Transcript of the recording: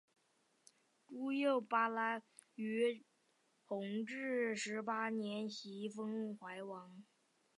朱佑棨于弘治十八年袭封淮王。